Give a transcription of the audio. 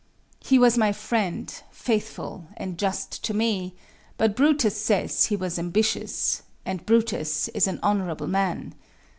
He was my friend, faithful and just to me: But Brutus says he was ambitious; And Brutus is an honorable man.